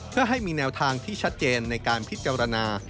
เพื่อให้มีแนวทางที่ชัดเจนในการพิจารณา